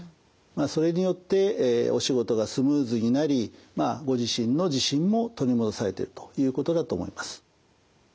まあそれによってお仕事がスムーズになりまあご自身の自信も取り戻されてるということだと思います。